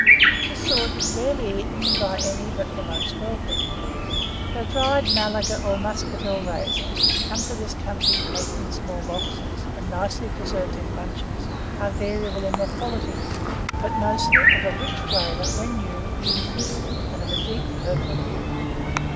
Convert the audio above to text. This sort is rarely eaten by any but the most wealthy. The dried Malaga, or Muscatel raisins, which come to this country packed in small boxes, and nicely preserved in bunches, are variable in their quality, but mostly of a rich flavour, when new, juicy, and of a deep purple hue.